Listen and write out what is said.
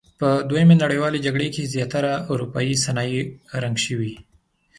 په دویمې نړیوالې جګړې کې زیاتره اورپایي صنایع رنګ شوي.